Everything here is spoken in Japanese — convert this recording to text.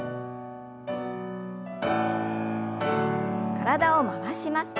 体を回します。